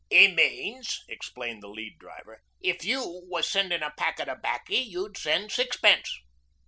''E means,' explained the Lead Driver, 'if you was sendin' a packet of 'baccy you'd send sixpence.'